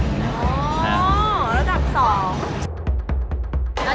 ระดับ๑ก็คือมันจะมีความเป็นแบบ